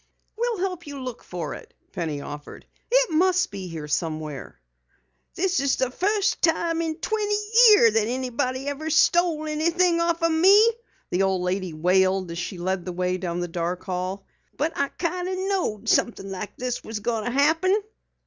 "We'll help you look for it," Penny offered. "It must be here somewhere." "This is the fust time in twenty years that anyone ever stole anything off me," the old lady wailed as she led the way down the dark hall. "But I kinda knowed somethin' like this was goin' to happen."